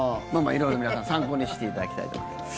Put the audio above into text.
色々、皆さん参考にしていただきたいと思います。